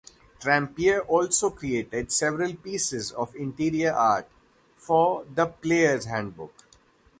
Trampier also created several pieces of interior art for the "Player's Handbook".